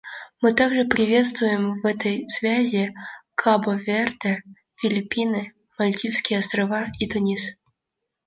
Мы также приветствуем в этой связи Кабо-Верде, Филиппины, Мальдивские Острова и Тунис.